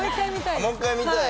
もう一回見たい？